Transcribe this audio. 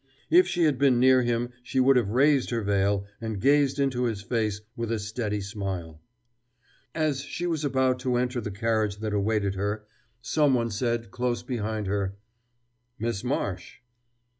If she had been near him she would have raised her veil, and gazed into his face with a steady smile! As she was about to enter the carriage that awaited her, someone said close behind her: "Miss Marsh."